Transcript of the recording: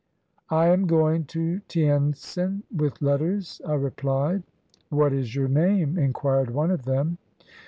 "I am going to Tientsin with letters," I replied. "What is your name?" inquired one of them.